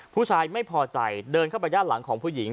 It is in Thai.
ผู้ชายไม่พอใจเดินเข้าไปด้านหลังของผู้หญิง